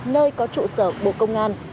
nơi có trụ sở bộ công an